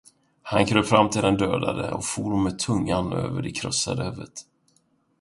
Han kröp fram till den dödade och for med tungan över det krossade huvudet.